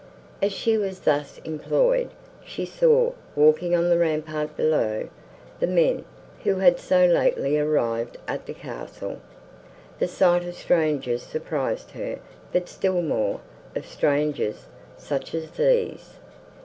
As she was thus employed, she saw, walking on the rampart below, the men, who had so lately arrived at the castle. The sight of strangers surprised her, but still more, of strangers such as these.